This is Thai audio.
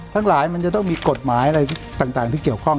ทั้งหลายมันจะต้องมีกฎหมายอะไรต่างที่เกี่ยวข้อง